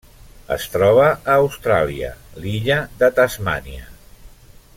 Es troba a Austràlia: l'illa de Tasmània.